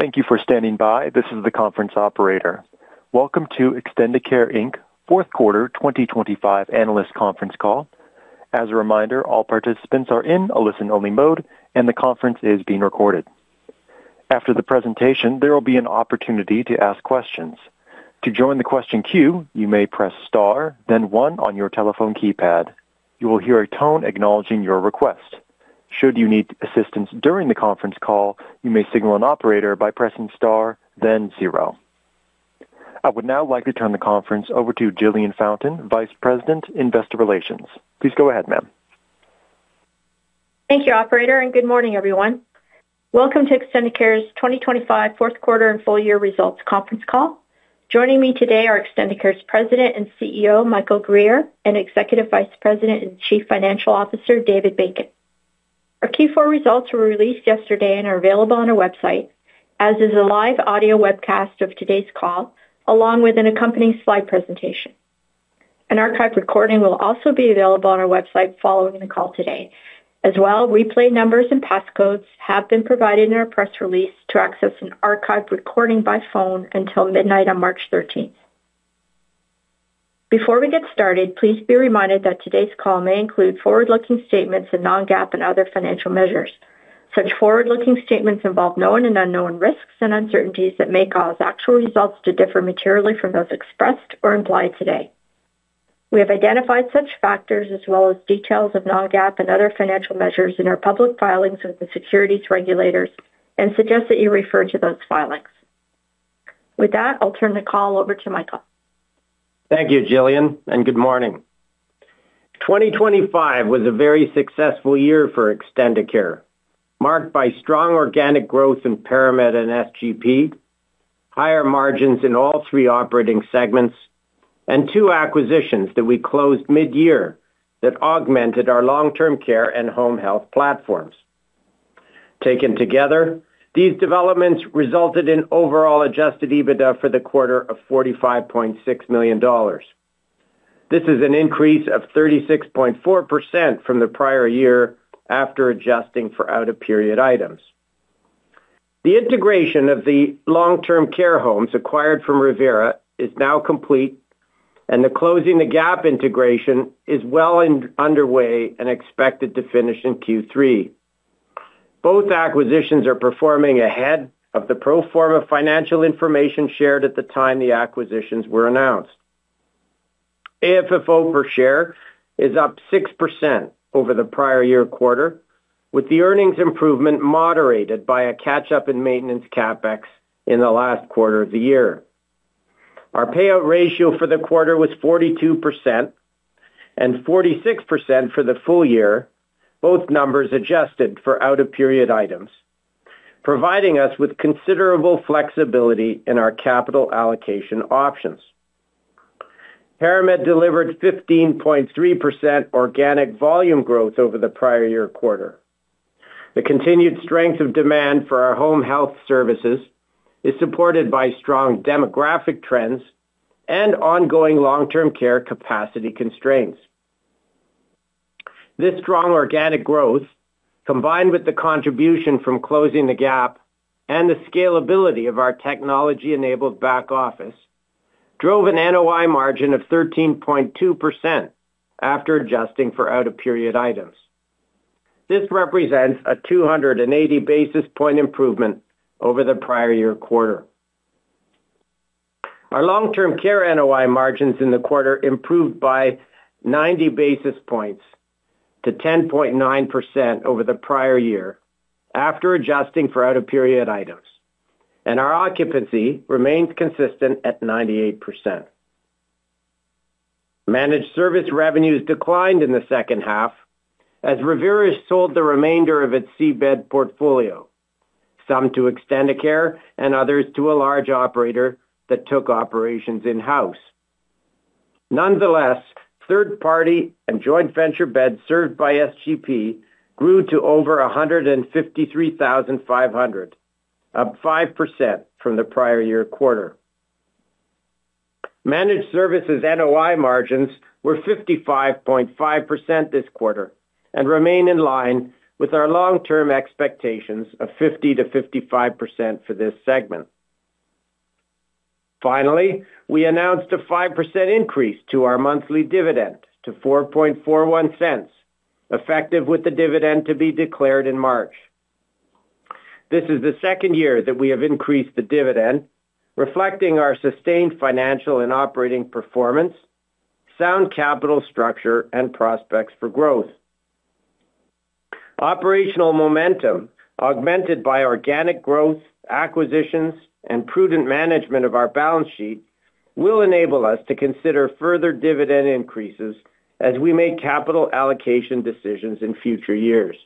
Thank you for standing by. This is the conference operator. Welcome to Extendicare Inc.'s fourth quarter 2025 analyst conference call. As a reminder, all participants are in a listen-only mode, and the conference is being recorded. After the presentation, there will be an opportunity to ask questions. To join the question queue, you may press star then one on your telephone keypad. You will hear a tone acknowledging your request. Should you need assistance during the conference call, you may signal an operator by pressing star then zero. I would now like to turn the conference over to Jillian Fountain, Vice President, Investor Relations. Please go ahead, ma'am. Thank you, operator, and good morning, everyone. Welcome to Extendicare's 2025 fourth quarter and full year results conference call. Joining me today are Extendicare's President and Chief Executive Officer, Michael Guerriere, and Executive Vice President and Chief Financial Officer, David Bacon. Our Q4 results were released yesterday and are available on our website, as is a live audio webcast of today's call, along with an accompanying slide presentation. An archived recording will also be available on our website following the call today. As well, replay numbers and passcodes have been provided in our press release to access an archived recording by phone until midnight on March 13th. Before we get started, please be reminded that today's call may include forward-looking statements and non-GAAP and other financial measures. Such forward-looking statements involve known and unknown risks and uncertainties that may cause actual results to differ materially from those expressed or implied today. We have identified such factors as well as details of non-GAAP and other financial measures in our public filings with the securities regulators and suggest that you refer to those filings. With that, I'll turn the call over to Michael. Thank you, Gillian, and good morning. 2025 was a very successful year for Extendicare, marked by strong organic growth in ParaMed and SGP, higher margins in all three operating segments, and two acquisitions that we closed mid-year that augmented our long-term care and home health platforms. Taken together, these developments resulted in overall adjusted EBITDA for the quarter of 45.6 million dollars. This is an increase of 36.4% from the prior year after adjusting for out-of-period items. The integration of the long-term care homes acquired from Revera is now complete, and the Closing the Gap integration is well underway and expected to finish in Q3. Both acquisitions are performing ahead of the pro forma financial information shared at the time the acquisitions were announced. AFFO per share is up 6% over the prior year quarter, with the earnings improvement moderated by a catch-up in maintenance CapEx in the last quarter of the year. Our payout ratio for the quarter was 42% and 46% for the full year, both numbers adjusted for out-of-period items, providing us with considerable flexibility in our capital allocation options. ParaMed delivered 15.3% organic volume growth over the prior year quarter. The continued strength of demand for our home health services is supported by strong demographic trends and ongoing long-term care capacity constraints. This strong organic growth, combined with the contribution from Closing the Gap and the scalability of our technology-enabled back office, drove an NOI margin of 13.2% after adjusting for out-of-period items. This represents a 280 basis point improvement over the prior year quarter. Our long-term care NOI margins in the quarter improved by 90 basis points to 10.9% over the prior year after adjusting for out-of-period items, and our occupancy remains consistent at 98%. Managed service revenues declined in the second half as Revera sold the remainder of its C bed portfolio, some to Extendicare and others to a large operator that took operations in-house. Nonetheless, third-party and joint venture beds served by SGP grew to over 153,500, up 5% from the prior year quarter. Managed services NOI margins were 55.5% this quarter and remain in line with our long-term expectations of 50%-55% for this segment. Finally, we announced a 5% increase to our monthly dividend to 0.0441, effective with the dividend to be declared in March. This is the second year that we have increased the dividend, reflecting our sustained financial and operating performance, sound capital structure, and prospects for growth. Operational momentum, augmented by organic growth, acquisitions, and prudent management of our balance sheet, will enable us to consider further dividend increases as we make capital allocation decisions in future years.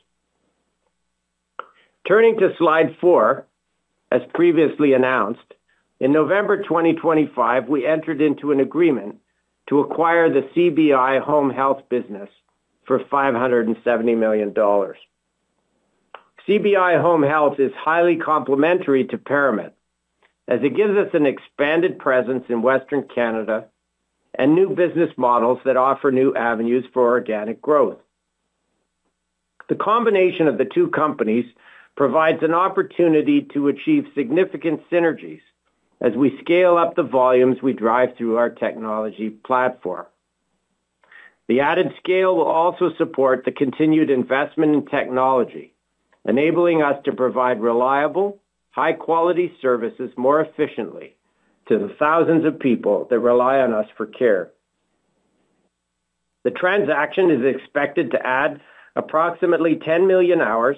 Turning to slide four. As previously announced, in November 2025, we entered into an agreement to acquire the CBI Home Health business for 570 million dollars. CBI Home Health is highly complementary to ParaMed, as it gives us an expanded presence in Western Canada and new business models that offer new avenues for organic growth.... The combination of the two companies provides an opportunity to achieve significant synergies as we scale up the volumes we drive through our technology platform. The added scale will also support the continued investment in technology, enabling us to provide reliable, high-quality services more efficiently to the thousands of people that rely on us for care. The transaction is expected to add approximately 10 million hours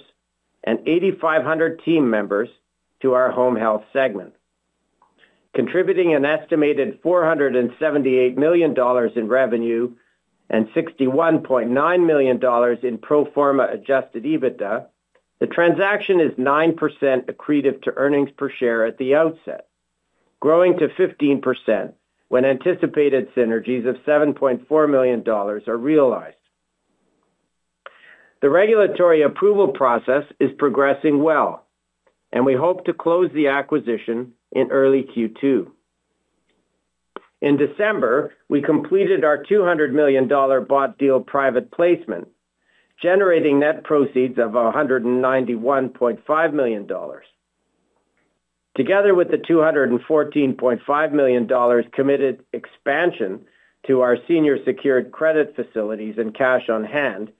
and 8,500 team members to our home health segment, contributing an estimated 478 million dollars in revenue and 61.9 million dollars in pro forma adjusted EBITDA. The transaction is 9% accretive to earnings per share at the outset, growing to 15% when anticipated synergies of 7.4 million dollars are realized. The regulatory approval process is progressing well, we hope to close the acquisition in early Q2. In December, we completed our 200 million dollar bought deal private placement, generating net proceeds of 191.5 million dollars. Together with the 214.5 million dollars committed expansion to our senior secured credit facilities and cash on hand,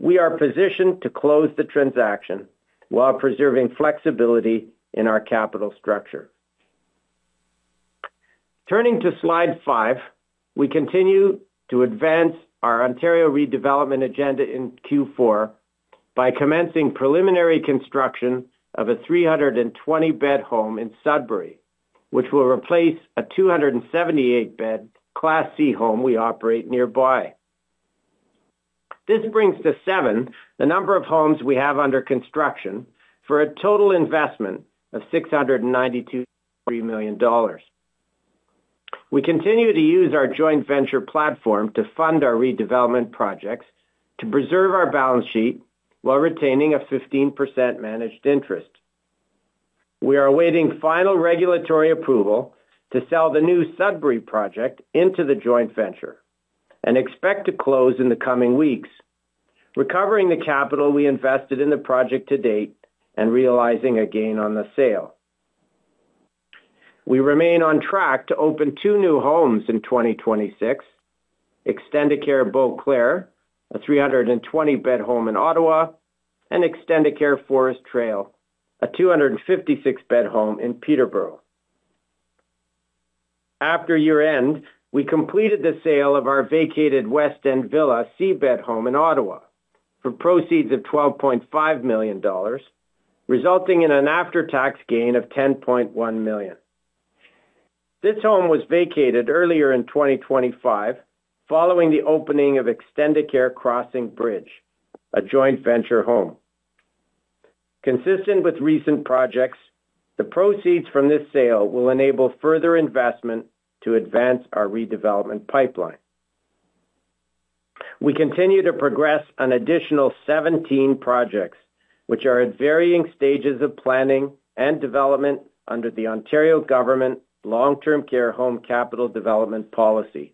we are positioned to close the transaction while preserving flexibility in our capital structure. Turning to slide five, we continue to advance our Ontario redevelopment agenda in Q4 by commencing preliminary construction of a 320-bed home in Sudbury, which will replace a 278-bed Class C home we operate nearby. This brings to seven the number of homes we have under construction, for a total investment of 692.3 million dollars. We continue to use our joint venture platform to fund our redevelopment projects, to preserve our balance sheet while retaining a 15% managed interest. We are awaiting final regulatory approval to sell the new Sudbury project into the joint venture and expect to close in the coming weeks, recovering the capital we invested in the project to date and realizing a gain on the sale. We remain on track to open two new homes in 2026, Extendicare Beauclaire, a 320-bed home in Ottawa, and Extendicare Forest Trail, a 256-bed home in Peterborough. After year-end, we completed the sale of our vacated West End Villa C bed home in Ottawa for proceeds of 12.5 million dollars, resulting in an after-tax gain of 10.1 million. This home was vacated earlier in 2025, following the opening of Extendicare Crossing Bridge, a joint venture home. Consistent with recent projects, the proceeds from this sale will enable further investment to advance our redevelopment pipeline. We continue to progress on additional 17 projects, which are at varying stages of planning and development under the Ontario Government Long-Term Care Home Capital Development Policy.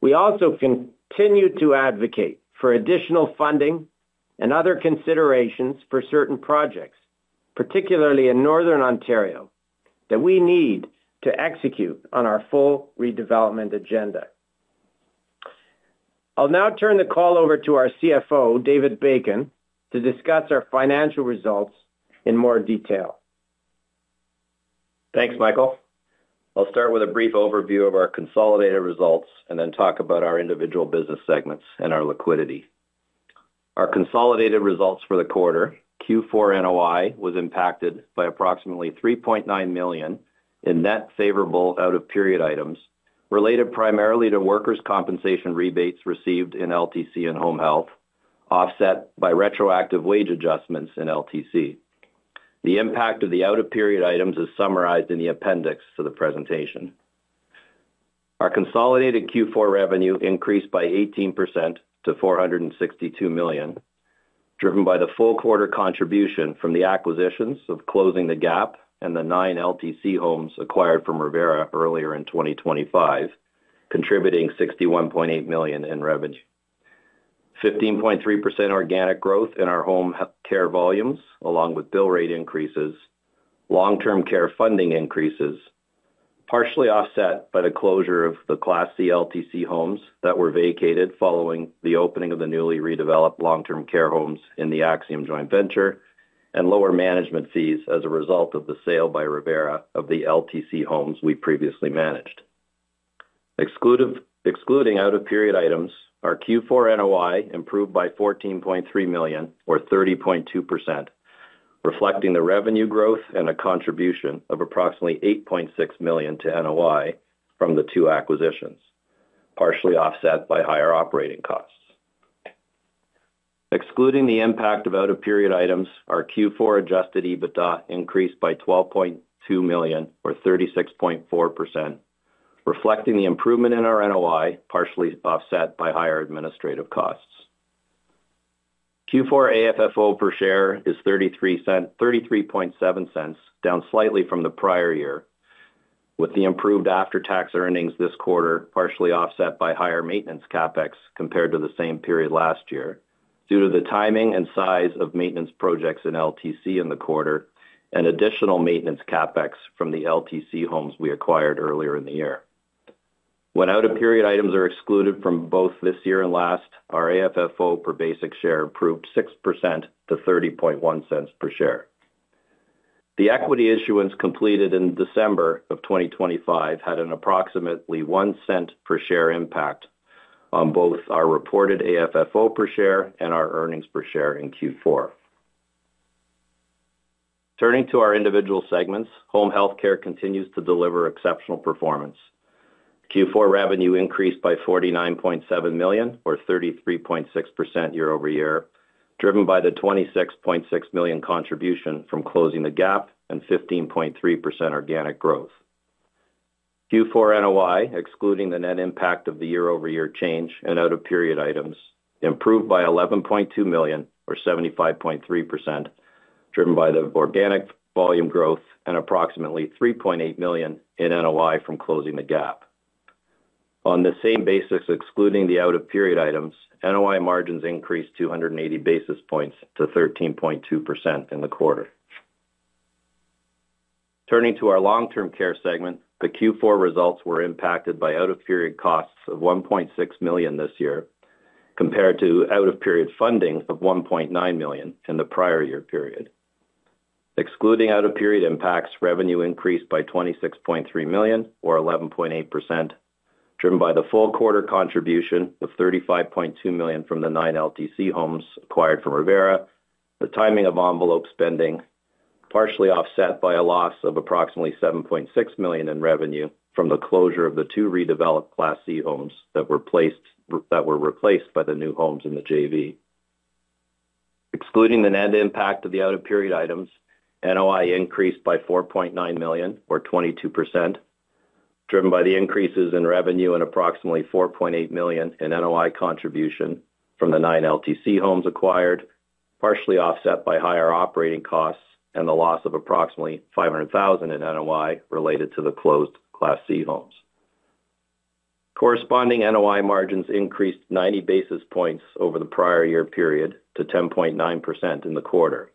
We also continue to advocate for additional funding and other considerations for certain projects, particularly in Northern Ontario, that we need to execute on our full redevelopment agenda. I'll now turn the call over to our Chief Financial Officer, David Bacon, to discuss our financial results in more detail. Thanks, Michael. I'll start with a brief overview of our consolidated results and talk about our individual business segments and our liquidity. Our consolidated results for the quarter, Q4 NOI, was impacted by approximately 3.9 million in net favorable out-of-period items, related primarily to workers' compensation rebates received in LTC and home health, offset by retroactive wage adjustments in LTC. The impact of the out-of-period items is summarized in the appendix to the presentation. Our consolidated Q4 revenue increased by 18% to 462 million, driven by the full quarter contribution from the acquisitions of Closing the Gap and the nine LTC homes acquired from Revera earlier in 2025, contributing 61.8 million in revenue. 15.3% organic growth in our home care volumes, along with bill rate increases, long-term care funding increases, partially offset by the closure of the Class C LTC homes that were vacated following the opening of the newly redeveloped long-term care homes in the Axium Joint Venture, and lower management fees as a result of the sale by Revera of the LTC homes we previously managed. Excluding out-of-period items, our Q4 NOI improved by 14.3 million, or 30.2%, reflecting the revenue growth and a contribution of approximately 8.6 million to NOI from the two acquisitions, partially offset by higher operating costs. Excluding the impact of out-of-period items, our Q4 adjusted EBITDA increased by 12.2 million, or 36.4%, reflecting the improvement in our NOI, partially offset by higher administrative costs. Q4 AFFO per share is 0.337, down slightly from the prior year. With the improved after-tax earnings this quarter, partially offset by higher maintenance CapEx compared to the same period last year, due to the timing and size of maintenance projects in LTC in the quarter and additional maintenance CapEx from the LTC homes we acquired earlier in the year. When out-of-period items are excluded from both this year and last, our AFFO per basic share improved 6% to 0.301 per share. The equity issuance completed in December 2025 had an approximately 0.01 per share impact on both our reported AFFO per share and our earnings per share in Q4. Turning to our individual segments, home health care continues to deliver exceptional performance. Q4 revenue increased by $49.7 million, or 33.6% year-over-year, driven by the $26.6 million contribution from Closing the Gap and 15.3% organic growth. Q4 NOI, excluding the net impact of the year-over-year change and out-of-period items, improved by $11.2 million, or 75.3%, driven by the organic volume growth and approximately $3.8 million in NOI from Closing the Gap. On the same basis, excluding the out-of-period items, NOI margins increased 280 basis points to 13.2% in the quarter. Turning to our long-term care segment, the Q4 results were impacted by out-of-period costs of $1.6 million this year, compared to out-of-period funding of $1.9 million in the prior year period. Excluding out-of-period impacts, revenue increased by 26.3 million, or 11.8%, driven by the full quarter contribution of 35.2 million from the nine LTC homes acquired from Revera. The timing of envelope spending, partially offset by a loss of approximately 7.6 million in revenue from the closure of the two redeveloped Class C homes that were replaced by the new homes in the JV. Excluding the net impact of the out-of-period items, NOI increased by 4.9 million, or 22%, driven by the increases in revenue and approximately 4.8 million in NOI contribution from the nine LTC homes acquired, partially offset by higher operating costs and the loss of approximately 500,000 in NOI related to the closed Class C homes. Corresponding NOI margins increased 90 basis points over the prior year period to 10.9% in the quarter,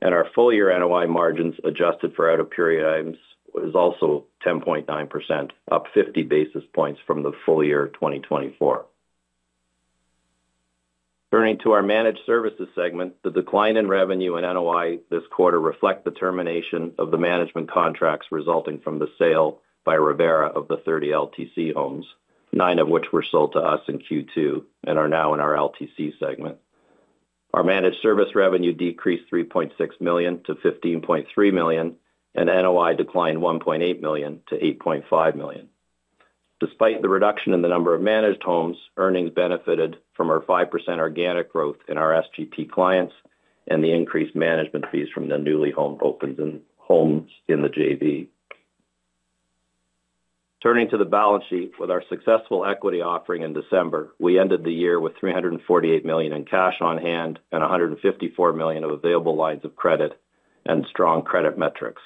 and our full year NOI margins, adjusted for out-of-period items, was also 10.9%, up 50 basis points from the full year of 2024. Turning to our managed services segment, the decline in revenue and NOI this quarter reflect the termination of the management contracts resulting from the sale by Revera of the 30 LTC homes, 9 of which were sold to us in Q2 and are now in our LTC segment. Our managed service revenue decreased 3.6 million to 15.3 million, and NOI declined 1.8 million to 8.5 million. Despite the reduction in the number of managed homes, earnings benefited from our 5% organic growth in our SGP clients and the increased management fees from the newly home opens and homes in the JV. Turning to the balance sheet, with our successful equity offering in December, we ended the year with 348 million in cash on hand and 154 million of available lines of credit and strong credit metrics.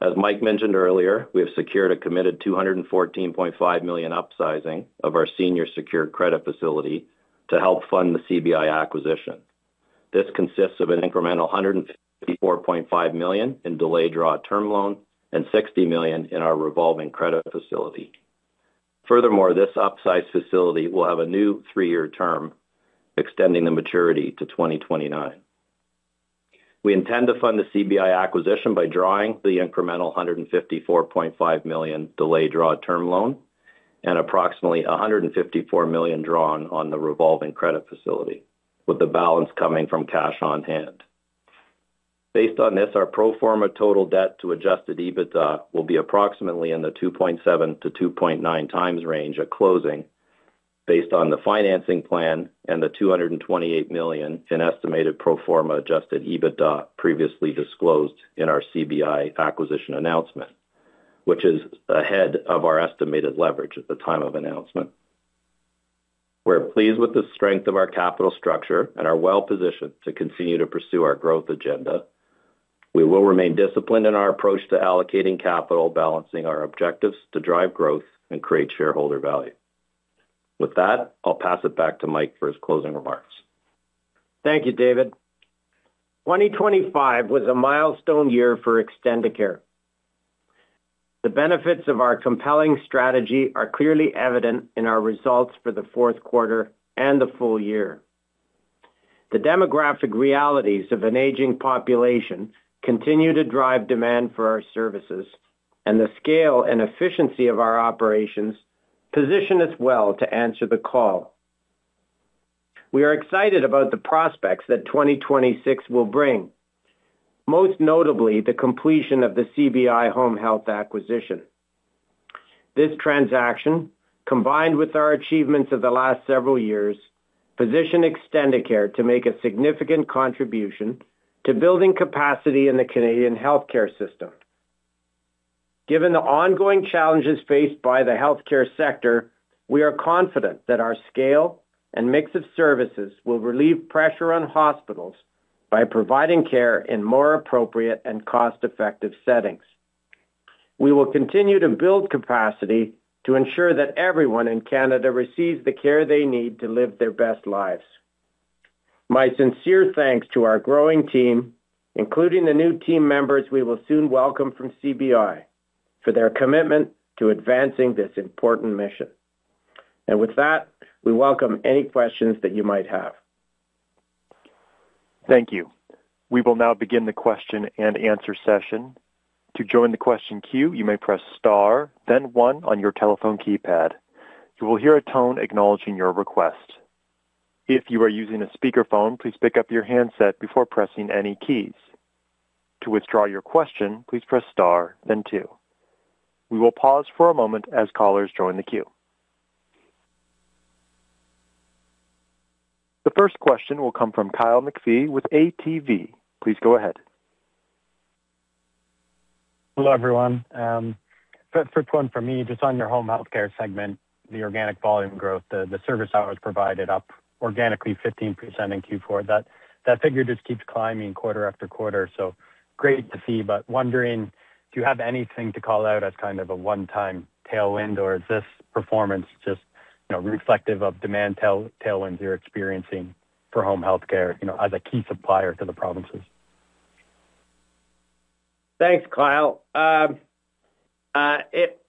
As Mike mentioned earlier, we have secured a committed 214.5 million upsizing of our senior secured credit facility to help fund the CBI acquisition. This consists of an incremental 154.5 million in delayed draw term loan and 60 million in our revolving credit facility. Furthermore, this upsized facility will have a new three-year term, extending the maturity to 2029. We intend to fund the CBI acquisition by drawing the incremental 154.5 million delayed draw term loan and approximately 154 million drawn on the revolving credit facility, with the balance coming from cash on hand. Based on this, our pro forma total debt to adjusted EBITDA will be approximately in the 2.7x-2.9x range at closing, based on the financing plan and the 228 million in estimated pro forma adjusted EBITDA previously disclosed in our CBI acquisition announcement, which is ahead of our estimated leverage at the time of announcement. We're pleased with the strength of our capital structure and are well positioned to continue to pursue our growth agenda. We will remain disciplined in our approach to allocating capital, balancing our objectives to drive growth and create shareholder value. With that, I'll pass it back to Mike for his closing remarks. Thank you, David. 2025 was a milestone year for Extendicare. The benefits of our compelling strategy are clearly evident in our results for the Q4 and the full year. The demographic realities of an aging population continue to drive demand for our services, and the scale and efficiency of our operations position us well to answer the call. We are excited about the prospects that 2026 will bring, most notably the completion of the CBI Home Health acquisition. This transaction, combined with our achievements of the last several years, position Extendicare to make a significant contribution to building capacity in the Canadian healthcare system. Given the ongoing challenges faced by the healthcare sector, we are confident that our scale and mix of services will relieve pressure on hospitals by providing care in more appropriate and cost-effective settings. We will continue to build capacity to ensure that everyone in Canada receives the care they need to live their best lives. My sincere thanks to our growing team, including the new team members we will soon welcome from CBI, for their commitment to advancing this important mission. With that, we welcome any questions that you might have. Thank you. We will now begin the question and answer session. To join the question queue, you may press star, then one on your telephone keypad. You will hear a tone acknowledging your request. If you are using a speakerphone, please pick up your handset before pressing any keys. To withdraw your question, please press star, then two. We will pause for a moment as callers join the queue. The first question will come from Kyle McPhee with ATB. Please go ahead. Hello, everyone. First one for me, just on your home health care segment, the organic volume growth, the service hours provided up organically 15% in Q4. That figure just keeps climbing quarter after quarter. Great to see, wondering, do you have anything to call out as kind of a one-time tailwind, or is this performance just, you know, reflective of demand tailwinds you're experiencing for home health care, you know, as a key supplier to the provinces? Thanks, Kyle. It,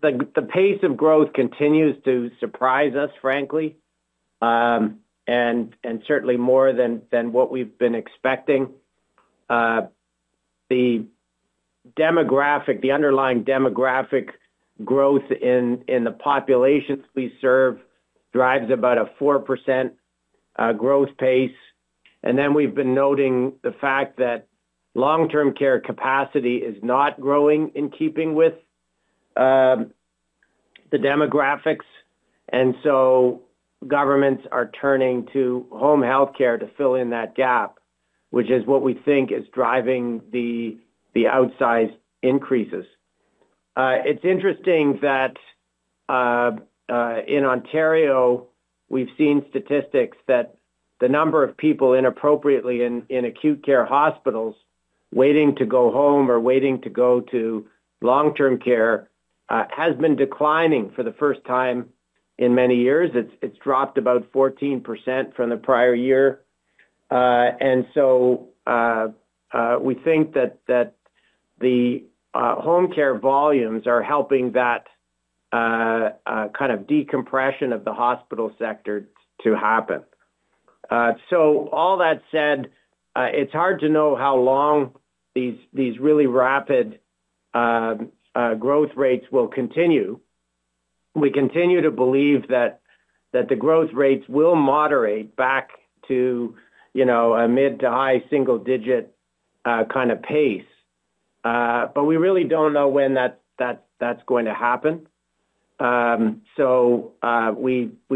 the pace of growth continues to surprise us, frankly, certainly more than what we've been expecting. The underlying demographic growth in the populations we serve drives about a 4% growth pace. We've been noting the fact that long-term care capacity is not growing in keeping with the demographics, governments are turning to home healthcare to fill in that gap, which is what we think is driving the outsized increases. It's interesting that in Ontario, we've seen statistics that the number of people inappropriately in acute care hospitals waiting to go home or waiting to go to long-term care has been declining for the first time in many years. It's dropped about 14% from the prior year. We think that the home care volumes are helping that, kind of decompression of the hospital sector to happen. All that said, it's hard to know how long these really rapid, growth rates will continue. We continue to believe that the growth rates will moderate back to, you know, a mid to high single digit, kind of pace. We really don't know when that's going to happen. We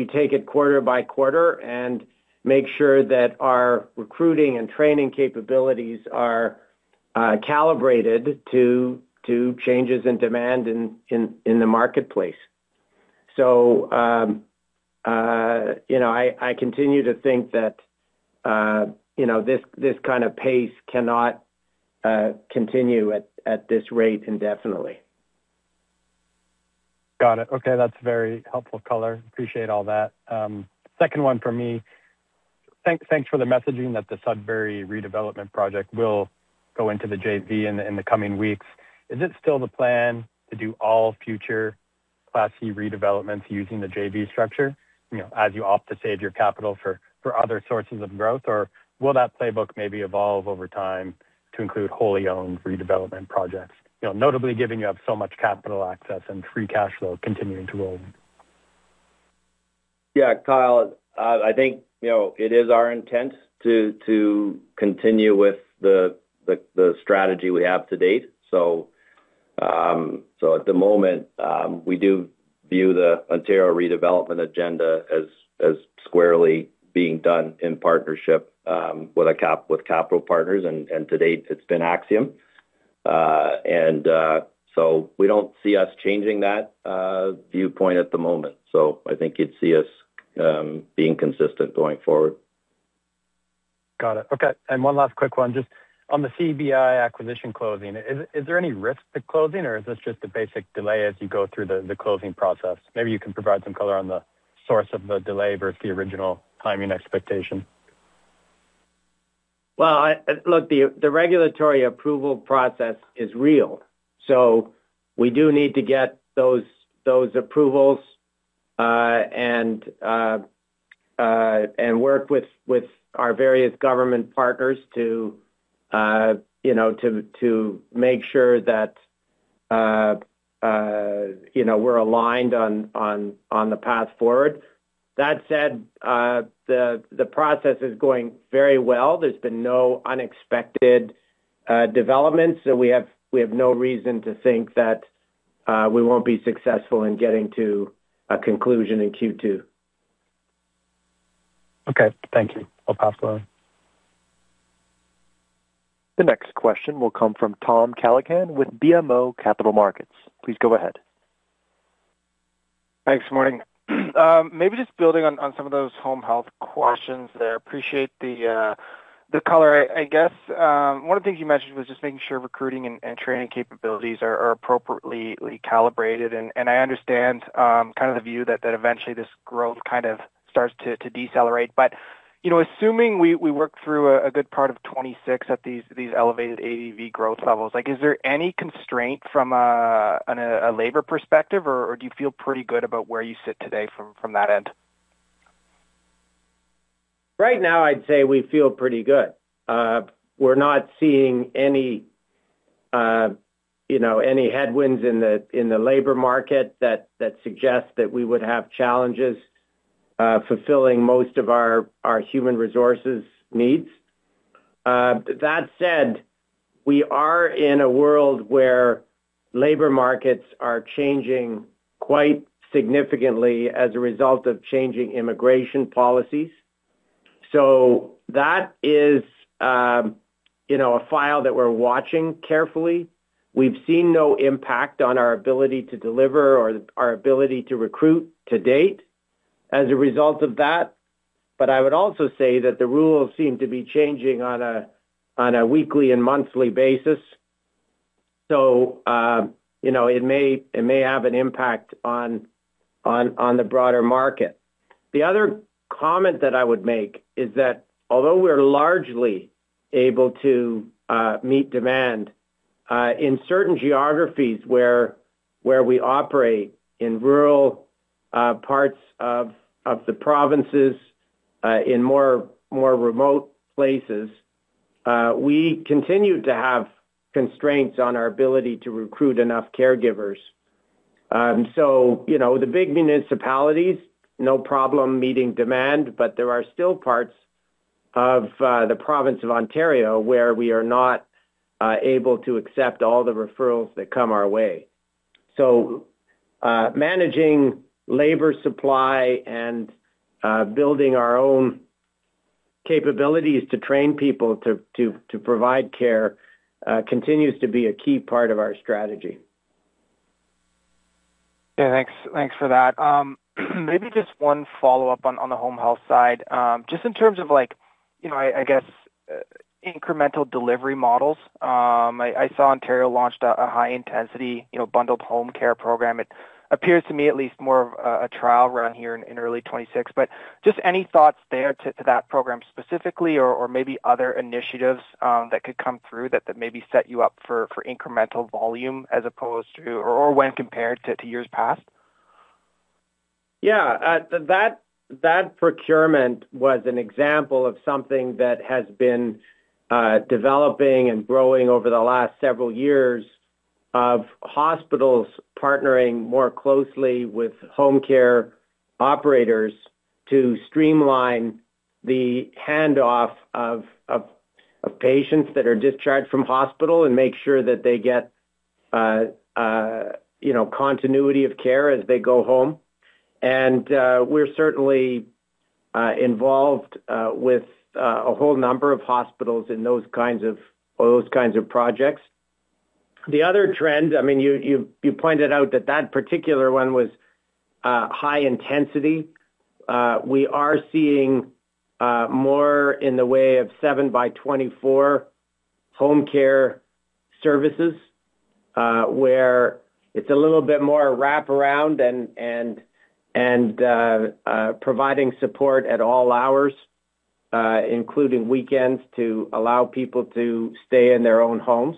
take it quarter by quarter and make sure that our recruiting and training capabilities are, calibrated to changes in demand in the marketplace. You know, I continue to think that, you know, this kind of pace cannot, continue at this rate indefinitely. Got it. Okay, that's very helpful color. Appreciate all that. Second one for me. Thanks for the messaging that the Sudbury redevelopment project will go into the JV in the coming weeks. Is it still the plan to do all future Class C redevelopments using the JV structure? You know, as you opt to save your capital for other sources of growth, or will that playbook maybe evolve over time to include wholly owned redevelopment projects? You know, notably giving you up so much capital access and free cash flow continuing to roll? Yeah, Kyle, I think, you know, it is our intent to continue with the strategy we have to date. At the moment, we do view the Ontario redevelopment agenda as squarely being done in partnership with capital partners, and to date, it's been Axium. We don't see us changing that viewpoint at the moment. I think you'd see us being consistent going forward. Got it. Okay, one last quick one, just on the CBI acquisition closing. Is there any risk to closing, or is this just a basic delay as you go through the closing process? Maybe you can provide some color on the source of the delay versus the original timing expectation? Well, Look, the regulatory approval process is real, so we do need to get those approvals and work with our various government partners to, you know, to make sure that, you know, we're aligned on the path forward. That said, the process is going very well. There's been no unexpected developments, so we have no reason to think that we won't be successful in getting to a conclusion in Q2. Okay. Thank you. I'll pass along. The next question will come from Tom Callaghan with BMO Capital Markets. Please go ahead. Thanks. Morning. Maybe just building on some of those home health questions there. Appreciate the color. I guess, one of the things you mentioned was just making sure recruiting and training capabilities are appropriately calibrated. I understand, kind of the view that eventually this growth starts to decelerate. You know, assuming we work through a good part of 2026 at these elevated ADV growth levels, like, is there any constraint from a labor perspective, or do you feel pretty good about where you sit today from that end? Right now, I'd say we feel pretty good. We're not seeing any, you know, any headwinds in the labor market that suggest that we would have challenges fulfilling most of our human resources needs. That said, we are in a world where labor markets are changing quite significantly as a result of changing immigration policies. That is, you know, a file that we're watching carefully. We've seen no impact on our ability to deliver or our ability to recruit to date as a result of that. I would also say that the rules seem to be changing on a weekly and monthly basis. It may have an impact on the broader market. The other comment that I would make is that although we're largely able to meet demand in certain geographies where we operate, in rural parts of the provinces, in more remote places, we continue to have constraints on our ability to recruit enough caregivers. You know, the big municipalities, no problem meeting demand, but there are still parts of the province of Ontario where we are not able to accept all the referrals that come our way. Managing labor supply and building our own capabilities to train people to provide care continues to be a key part of our strategy. Yeah, thanks. Thanks for that. Maybe just one follow-up on the home health side. Just in terms of like, you know, incremental delivery models. Ontario launched a high intensity, you know, bundled home care program. It appears to me at least more of a trial run here in early 2026. Just any thoughts there to that program specifically or maybe other initiatives that could come through that maybe set you up for incremental volume as opposed to, or when compared to years past? Yeah, that procurement was an example of something that has been developing and growing over the last several years of hospitals partnering more closely with home care operators to streamline the handoff of patients that are discharged from hospital and make sure that they get, you know, continuity of care as they go home. We're certainly involved with a whole number of hospitals in those kinds of projects. The other trend, I mean, you pointed out that particular one was high intensity. We are seeing more in the way of 7 by 24 home care services, where it's a little bit more wraparound and providing support at all hours, including weekends, to allow people to stay in their own homes.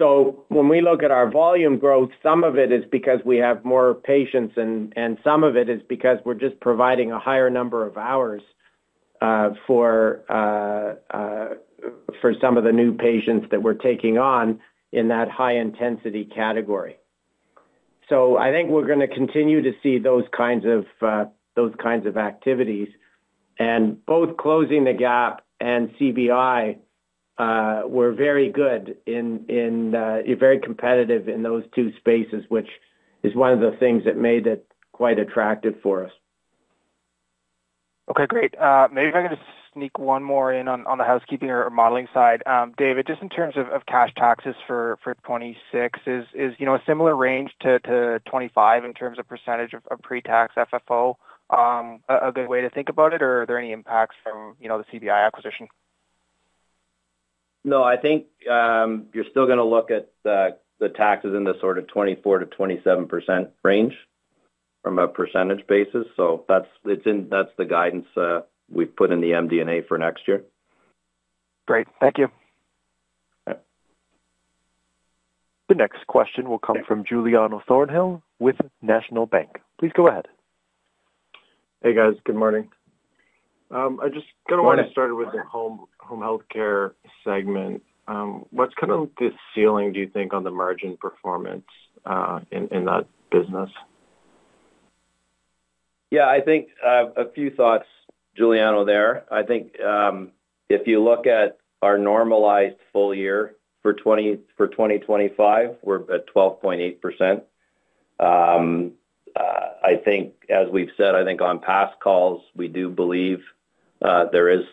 When we look at our volume growth, some of it is because we have more patients, and some of it is because we're just providing a higher number of hours for some of the new patients that we're taking on in that high-intensity category. I think we're gonna continue to see those kinds of those kinds of activities. Both Closing the Gap and CBI were very good in very competitive in those two spaces, which is one of the things that made it quite attractive for us. Okay, great. Maybe if I could just sneak one more in on the housekeeping or modeling side. David, just in terms of cash taxes for 2026, is, you know, a similar range to 2025 in terms of percentage of pre-tax FFO, a good way to think about it, or are there any impacts from, you know, the CBI acquisition? I think, you're still gonna look at the taxes in the sort of 24%-27% range from a percentage basis. That's the guidance we've put in the MD&A for next year. Great. Thank you. Yeah. The next question will come from Giuliano Consiglio with National Bank. Please go ahead. Hey, guys. Good morning. Good morning. Want to start with the home healthcare segment. What's kind of the ceiling, do you think, on the margin performance in that business? Yeah, I think a few thoughts, Giuliano, there. I think if you look at our normalized full year for 2025, we're at 12.8%. I think as we've said, I think on past calls, we do believe- There is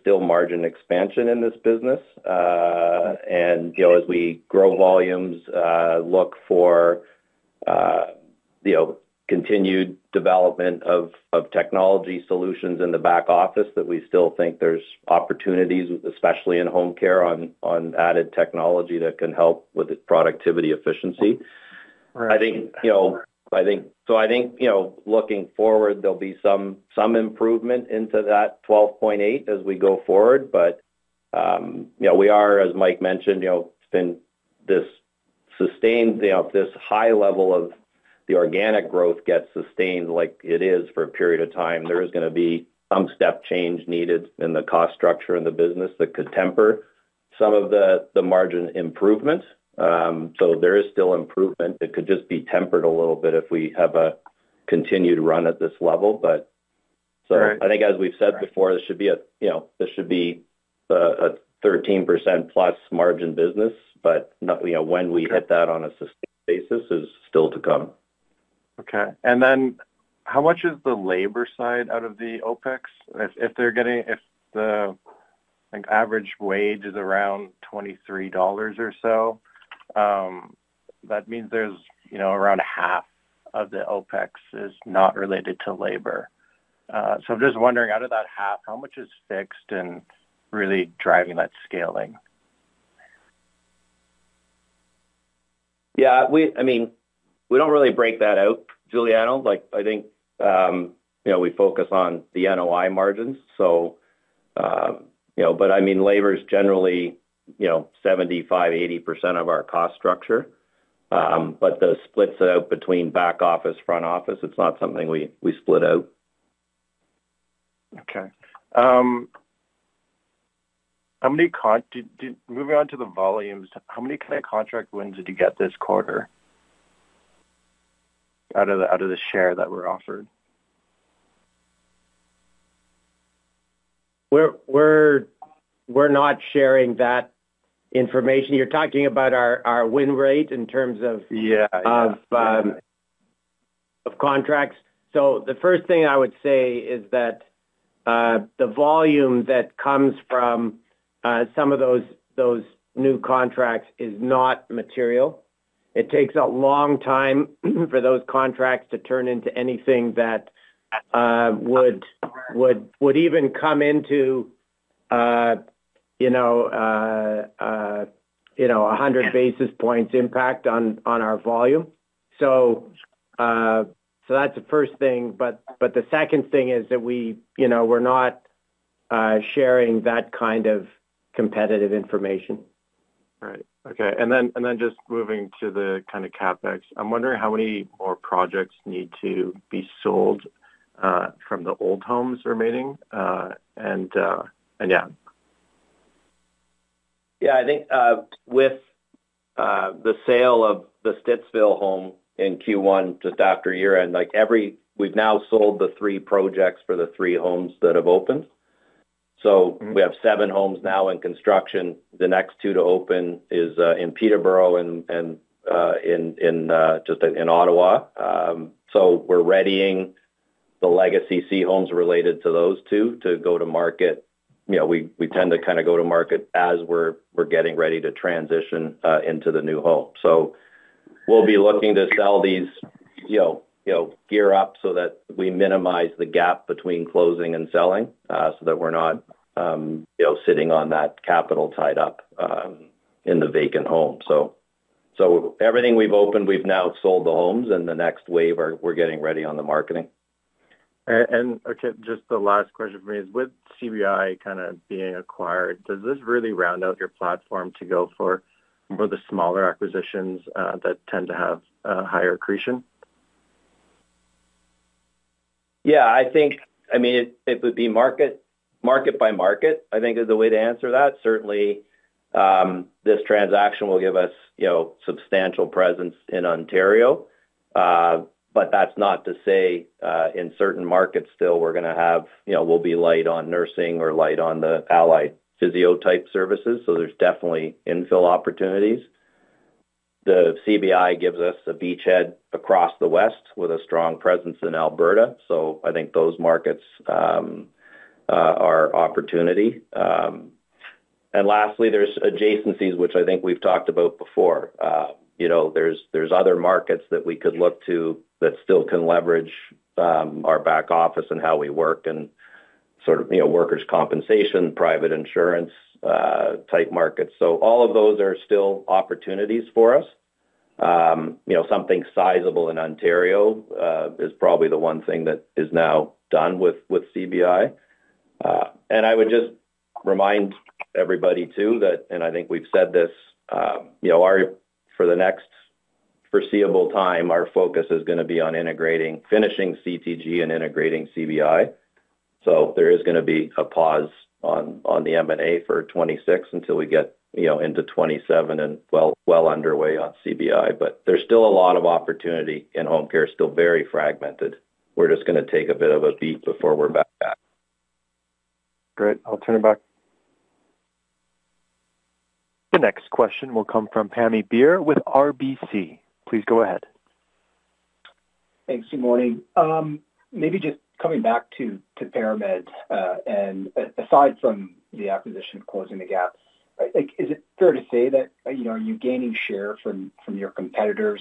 still margin expansion in this business. You know, as we grow volumes, look for, you know, continued development of technology solutions in the back office that we still think there's opportunities, especially in home care on added technology that can help with the productivity efficiency. Right. I think, you know, looking forward, there'll be some improvement into that 12.8% as we go forward. You know, we are, as Mike mentioned, you know, it's been this sustained, you know, this high level of the organic growth gets sustained like it is for a period of time. There is going to be some step change needed in the cost structure in the business that could temper some of the margin improvement. There is still improvement. It could just be tempered a little bit if we have a continued run at this level. Right. I think as we've said before, this should be a, you know, this should be a 13% plus margin business. You know, when we hit that on a sustained basis is still to come. How much is the labor side out of the OpEx? If the, like, average wage is around 23 dollars or so, that means there's, you know, around half of the OpEx is not related to labor. I'm just wondering out of that half, how much is fixed and really driving that scaling? Yeah, I mean, we don't really break that out, Giuliano. Like, I think, you know, we focus on the NOI margins. I mean, labor is generally, you know, 75%-80% of our cost structure. The splits out between back office, front office, it's not something we split out. Moving on to the volumes, how many kind of contract wins did you get this quarter out of the, out of the share that were offered? We're not sharing that information. You're talking about our win rate in terms of. Yeah. Of contracts. The first thing I would say is that, the volume that comes from, some of those new contracts is not material. It takes a long time for those contracts to turn into anything that, would even come into, you know, you know, 100 basis points impact on our volume. That's the first thing. The second thing is that we, you know, we're not, sharing that kind of competitive information. Right. Okay. Then just moving to the kinda CapEx. I'm wondering how many more projects need to be sold from the old homes remaining. Yeah? Yeah. I think with the sale of the Stittsville home in Q1 just after year-end, we've now sold the three projects for the three homes that have opened. We have seven homes now in construction. The next two to open is in Peterborough and in Ottawa. We're readying the legacy C homes related to those two to go to market. You know, we tend to kinda go to market as we're getting ready to transition into the new home. We'll be looking to sell these, you know, gear up so that we minimize the gap between closing and selling so that we're not sitting on that capital tied up in the vacant home. Everything we've opened, we've now sold the homes, and the next wave we're getting ready on the marketing. Okay, just the last question for me is, with CBI kinda being acquired, does this really round out your platform to go for more of the smaller acquisitions that tend to have higher accretion? Yeah. I think, I mean, it would be market by market, I think is the way to answer that. Certainly, this transaction will give us, you know, substantial presence in Ontario. That's not to say, in certain markets still we're gonna have, you know, we'll be light on nursing or light on the allied physio type services. There's definitely infill opportunities. The CBI gives us a beachhead across the West with a strong presence in Alberta. I think those markets are our opportunity. Lastly, there's adjacencies, which I think we've talked about before. You know, there's other markets that we could look to that still can leverage our back office and how we work and sort of, you know, workers compensation, private insurance, type markets. All of those are still opportunities for us. You know, something sizable in Ontario is probably the one thing that is now done with CBI. I would just remind everybody too that, and I think we've said this, you know, for the next foreseeable time, our focus is gonna be on integrating, finishing CTG and integrating CBI. There is gonna be a pause on the M&A for 2026 until we get, you know, into 2027 and well, well underway on CBI. There's still a lot of opportunity in home care, still very fragmented. We're just gonna take a bit of a beat before we're back at. Great. I'll turn it back. The next question will come from Pammi Bir with RBC. Please go ahead. Thanks. Good morning. maybe just coming back to ParaMed, and aside from the acquisition of Closing the Gap, like, is it fair to say that, you know, are you gaining share from your competitors,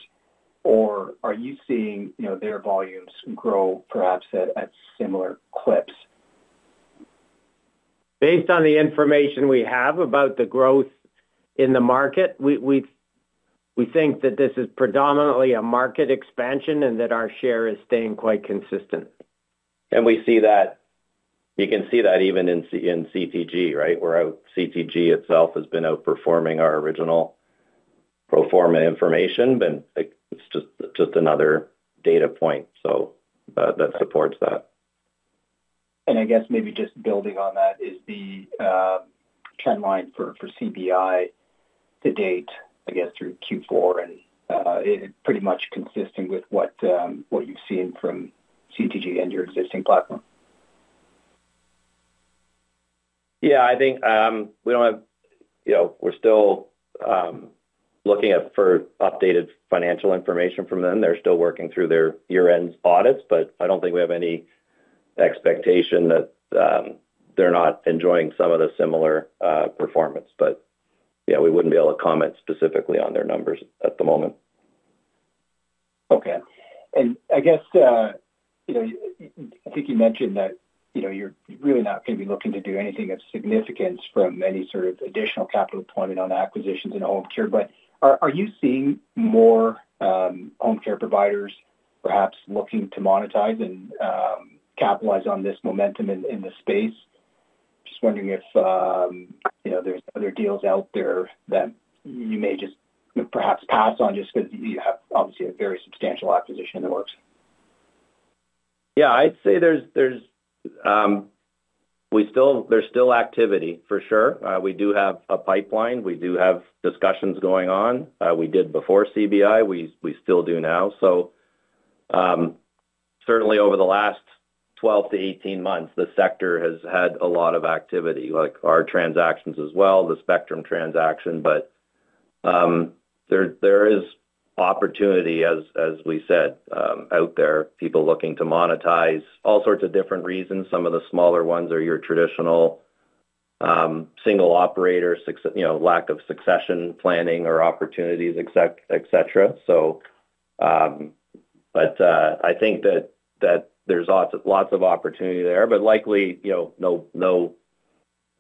or are you seeing, you know, their volumes grow perhaps at similar clips? Based on the information we have about the growth in the market, we think that this is predominantly a market expansion and that our share is staying quite consistent. We see that you can see that even in CTG, right? Where our CTG itself has been outperforming our original pro forma information. Like, it's just another data point, so that supports that. I guess maybe just building on that is the trend line for CBI to date, I guess, through Q4 and it pretty much consistent with what you've seen from CTG and your existing platform? I think, we don't have, you know, we're still looking out for updated financial information from them. They're still working through their year-end audits. I don't think we have any expectation that they're not enjoying some of the similar performance. We wouldn't be able to comment specifically on their numbers at the moment. Okay. I guess, you know, I think you mentioned that, you know, you're really not gonna be looking to do anything of significance from any sort of additional capital deployment on acquisitions in home care. Are you seeing more home care providers perhaps looking to monetize and capitalize on this momentum in this space? Just wondering if, you know, there's other deals out there that you may just perhaps pass on just 'cause you have obviously a very substantial acquisition in the works. Yeah. I'd say there's still activity for sure. We do have a pipeline. We do have discussions going on. We did before CBI. We still do now. Certainly over the last 12-18 months, the sector has had a lot of activity, like our transactions as well, the Spectrum transaction. There is opportunity as we said, out there, people looking to monetize all sorts of different reasons. Some of the smaller ones are your traditional, single operator, you know, lack of succession planning or opportunities, et cetera. I think that there's lots of opportunity there, but likely, you know, no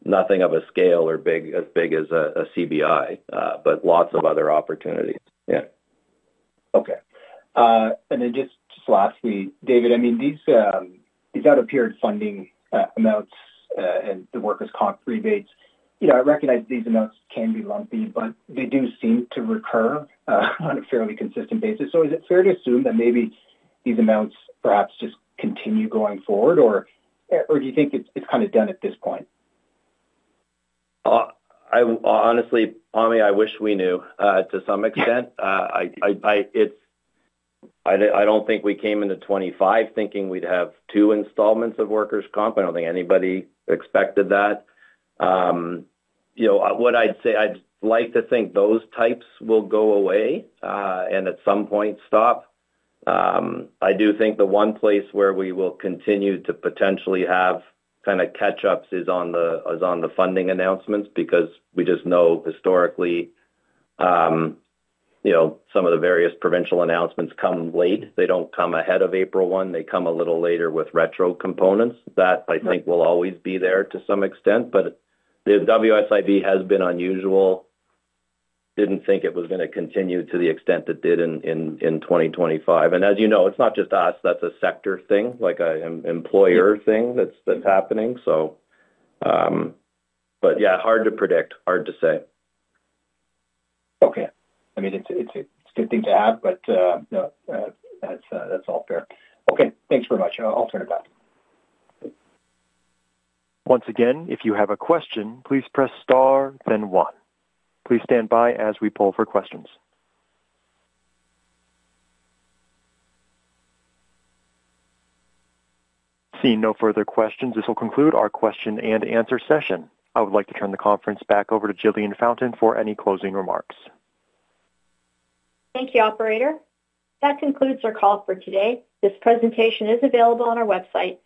nothing of a scale or big, as big as a CBI, but lots of other opportunities. Yeah. Okay. Just lastly, David, I mean, these out-of-period funding amounts, and the workers' comp rebates, you know, I recognize these amounts can be lumpy, but they do seem to recur on a fairly consistent basis. Is it fair to assume that maybe these amounts perhaps just continue going forward, or do you think it's kinda done at this point? I honestly, Pammi, I wish we knew to some extent. I don't think we came into 25 thinking we'd have two installments of workers' comp. I don't think anybody expected that. You know, what I'd say, I'd like to think those types will go away and at some point stop. I do think the one place where we will continue to potentially have kinda catch-ups is on the funding announcements because we just know historically, you know, some of the various provincial announcements come late. They don't come ahead of April 1. They come a little later with retro components. That I think will always be there to some extent. The WSIB has been unusual. Didn't think it was gonna continue to the extent it did in 2025. As you know, it's not just us. That's a sector thing, like a employer thing that's happening. But yeah, hard to predict. Hard to say. Okay. I mean, it's a, it's a good thing to have, but, no, that's all fair. Okay. Thanks very much. I'll turn it back. Once again, if you have a question, please press star then one. Please stand by as we poll for questions. Seeing no further questions, this will conclude our question-and-answer session. I would like to turn the conference back over to Jillian Fountain for any closing remarks. Thank you, operator. That concludes our call for today. This presentation is available on our website,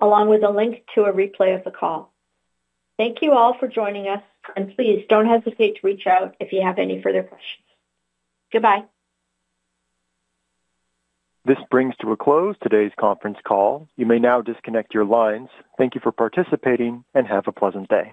along with a link to a replay of the call. Thank you all for joining us, and please don't hesitate to reach out if you have any further questions. Goodbye. This brings to a close today's conference call. You may now disconnect your lines. Thank you for participating, and have a pleasant day.